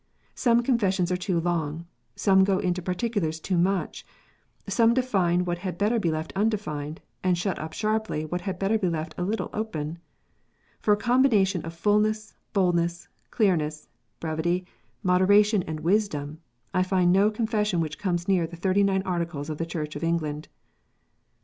Some Confessions are too long. Some go into particulars too much. Some define what had better be left undefined, and shut up sharply what had better be left a little open. For a combination of fulness, boldness, clearness, brevity, moderation, and wisdom, I find no Confession which comes near the Thirty nine Articles of the Church of England.